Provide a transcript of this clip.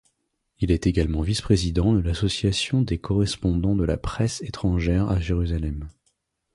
Il est également vice-président de l'Association des correspondants de la presse étrangère à Jérusalem.